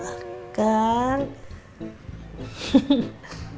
maksudnya waktu di usg dulu